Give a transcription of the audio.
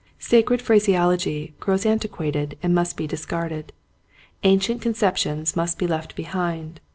Sa cred phraseology grows antiquated and must be discarded, ancient conceptions must be left behind.